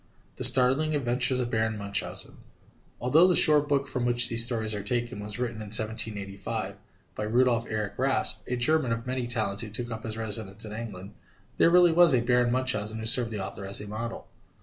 THE STARTLING ADVENTURES OF BARON MUNCHAUSEN _Although the short book from which these stories are taken was written in 1785 by Rudolf Erich Raspe, a German of many talents who took up his residence in England, there really was a Baron Munchausen who served the author as a model.